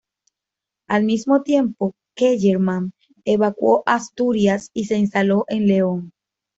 Al mismo tiempo Kellerman evacuó Asturias y se instaló en León.